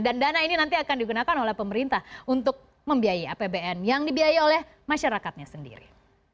dan dana ini nanti akan digunakan oleh pemerintah untuk membiayai apbn yang dibiayai oleh masyarakatnya sendiri